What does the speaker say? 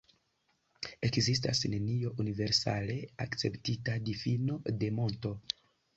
Ekzistas neniu universale akceptita difino de monto.